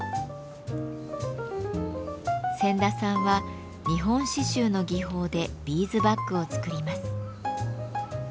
仙田さんは日本刺繍の技法でビーズバッグを作ります。